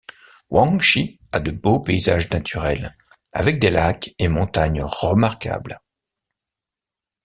Huangshi a de beaux paysages naturels, avec des lacs et montagnes remarquables.